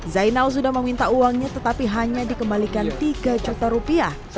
zainal sudah meminta uangnya tetapi hanya dikembalikan tiga juta rupiah